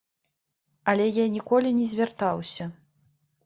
Але я ніколі не звяртаўся.